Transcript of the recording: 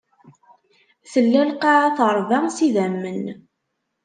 Tella lqaɛa teṛba s idammen.